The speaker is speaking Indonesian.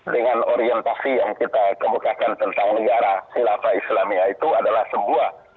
dengan orientasi yang kita kebukakan tentang negara khilafah islamia itu adalah sebuah